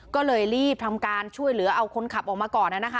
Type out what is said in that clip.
ก็เลยรีบทำการช่วยเหลือเอาคนขับออกมาก่อนนะคะ